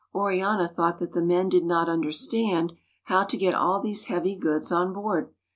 Oriana thought that the men did not understand how to get all these heavy goods on board.